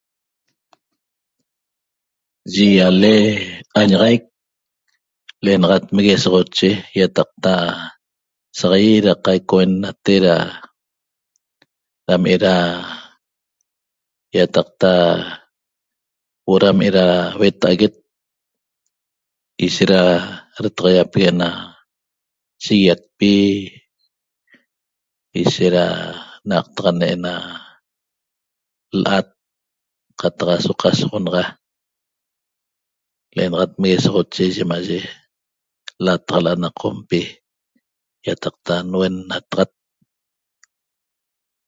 Yi ýale añaxaic l'enaxat Meguesoxoche ýataqta saq ýit da qaicouennate da dam eda ýataqta huo'o ram era hueta'aguet ishet da retaxaýapegue' na shiguiacpi ishet ra n'aqtaxane' na l'at qataq aso qasoxonaxa l'enaxat Meguesoxoche yimaye lataxala' na qompi ýataqta nuennataxat